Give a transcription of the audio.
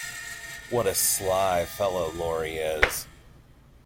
What a sly fellow Laurie is!